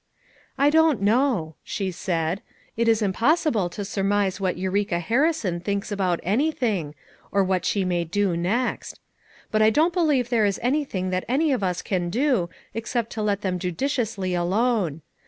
"I don't know," she said. "It is impossible to surmise what Eureka Harrison thinks about anything, or what she may do next. But I don't believe there is anything that any of us can do except to let them judiciously alone.